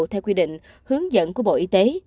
theo quy định hướng dẫn của bộ y tế